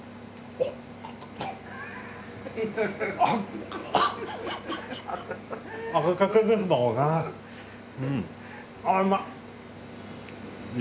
あうまい。